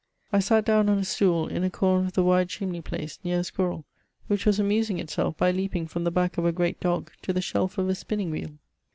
I sat down on a stool in a corner of the wide chimney place, near a squirrel, which was amusing itself by leaping from the back of a g^eat dog to the shelf of a spinning wheel.